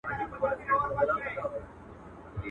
o بابا به ويل، ادې به منل.